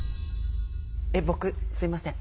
えっ僕すいません。